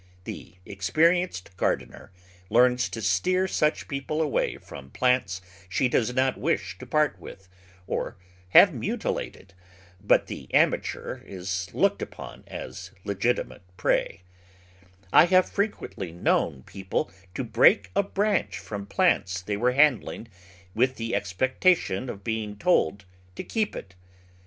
The experienced gardener learns to steer such people away from plants she does not wish to part with, or have mutilated, but the amateur is looked upon as legitimate prey. I have Digitized by Google Twenty four] JBOtt't* 255 frequently known people to break a branch from plants they were handling, with the expectation of being told to keep it.